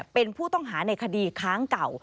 เป็นผู้ต้องหาในคดีค้างเก่า